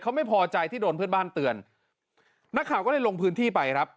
เขาไม่พอใจที่โดนเพื่อนบ้านเตือนนักข่าวก็เลยลงพื้นที่ไปครับ